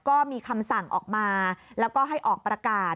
ก็มีคำสั่งออกมาแล้วก็ให้ออกประกาศ